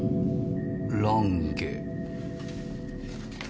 「ランゲ」。